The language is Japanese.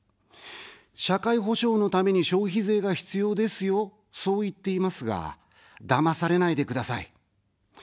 社会保障のために消費税が必要ですよ、そう言っていますが、だまされないでください。